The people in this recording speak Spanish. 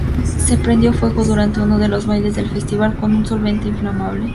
Se prendió fuego durante uno de los bailes del festival con un solvente inflamable.